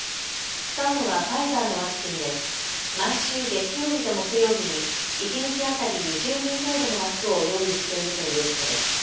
使うのはファイザーのワクチンで毎週月曜日と木曜日に一日当たり２０人程度の枠を用意しているということです。